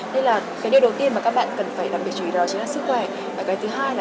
nên là cái điều đầu tiên mà các bạn cần phải đặc biệt chú ý đó chính là sức khỏe và cái thứ hai là